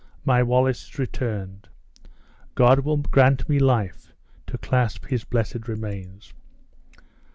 My Wallace is returned. God will grant me life to clasp his blessed remains!"